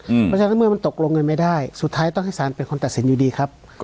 เพราะฉะนั้นเมื่อมันตกลงกันไม่ได้สุดท้ายต้องให้สารเป็นคนตัดสินอยู่ดีครับ